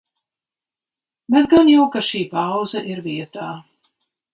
Bet gan jau, ka šī pauze ir vietā.